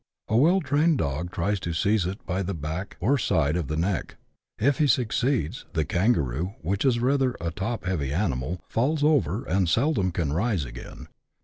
A well trained dog tries to seize it by the back, or side of the neck ; if he succeeds, the kangaroo, which is rather a top heavy animal, falls over, and seldom can rise again.